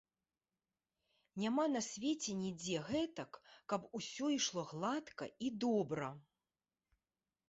Няма на свеце нідзе гэтак, каб усё ішло гладка і добра.